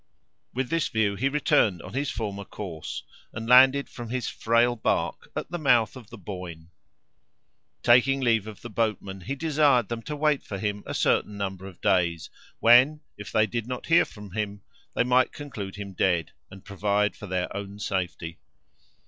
With this view he returned on his former course, and landed from his frail barque at the mouth of the Boyne. Taking leave of the boatmen, he desired them to wait for him a certain number of days, when, if they did not hear from him, they might conclude him dead, and provide for their own safety.